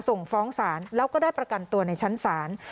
ส่งฟ้องศาลแล้วก็ได้ประกันตัวในชั้นศาล